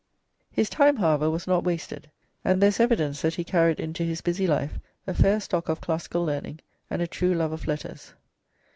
] His time, however, was not wasted, and there is evidence that he carried into his busy life a fair stock of classical learning and a true love of letters.